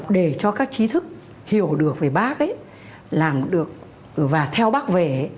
để cho các trí thức hiểu được về bác ấy làm được và theo bác về